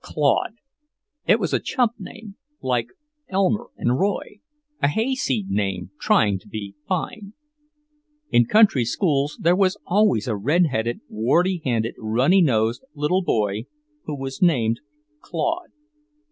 Claude: it was a "chump" name, like Elmer and Roy; a hayseed name trying to be fine. In country schools there was always a red headed, warty handed, runny nosed little boy who was called Claude.